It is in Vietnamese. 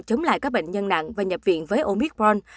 chống lại các bệnh nhân nặng và nhập viện với omicron